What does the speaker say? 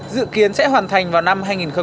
văn thành vào năm hai nghìn hai mươi